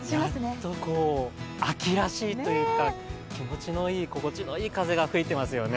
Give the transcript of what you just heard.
やっと秋らしいというか気持ちのいい、心地のいい風が吹いていますよね。